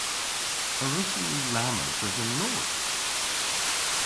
A wrussyn ni lamma dres an loor?